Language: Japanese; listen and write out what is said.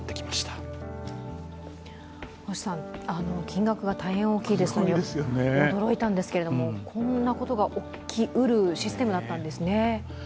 金額が大変大きいですので驚いたんですけれどもこんなことが起きうるシステムだったんですね。